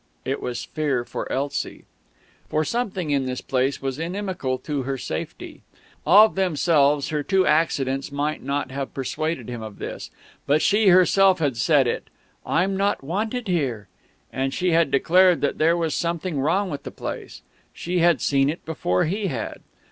It was a fear for Elsie. For something in his place was inimical to her safety. Of themselves, her two accidents might not have persuaded him of this; but she herself had said it. "I'm not wanted here..." And she had declared that there was something wrong with the place. She had seen it before he had.